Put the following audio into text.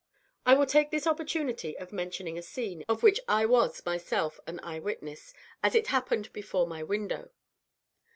I will take this opportunity of mentioning a scene, of which I was myself an eye witness, as it happened before my window.